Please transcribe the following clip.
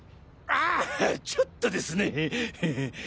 あちょっとですねヘヘ。